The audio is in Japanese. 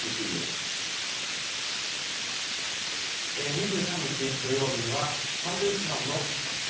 ２３日、土曜日にはサンドウィッチマンの「発進！